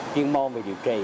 chuyên môn về điều trị